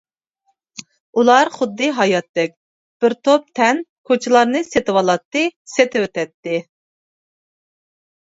ئۇلار خۇددى ھاياتتەك، بىر توپ تەن كوچىلارنى سېتىۋالاتتى، سېتىۋېتەتتى.